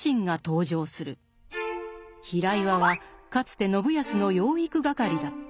平岩はかつて信康の養育係だった。